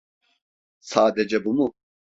Sadece bu mu?